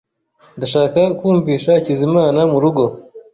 Nashakaga kumvisha Hakizimana murugo.